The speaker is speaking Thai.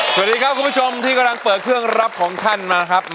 สวัสดีครับคุณผู้ชมที่กำลังเปิดเครื่องรับของท่านมาครับ